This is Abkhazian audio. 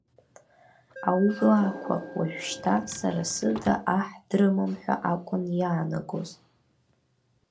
Аублаақәа уажәшьҭа сара сыда аҳ дрымам ҳәа акәын иаанагоз.